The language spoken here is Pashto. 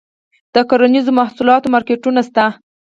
د کرنیزو محصولاتو مارکیټونه شته؟